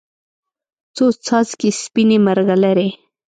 څو څاڅکي سپینې، مرغلرې